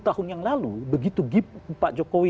sepuluh tahun yang lalu begitu pak jokowi